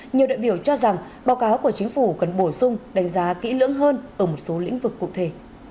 nhiều đại biểu cho rằng báo cáo của chính phủ cần bổ sung đánh giá kỹ lưỡng hơn ở một số lĩnh vực cụ thể